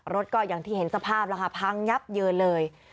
รถก็อย่างที่เห็นสภาพแล้วค่ะพังยับเยินเลย